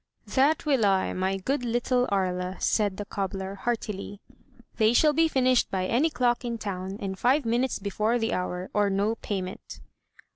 "That will I, my good little Aria," said the cobbler, heartily. "They shall be finished by any clock in town, and five minutes before the hour, or no payment."